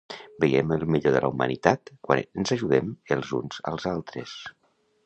Veiem el millor de la humanitat quan ens ajudem els uns als altres.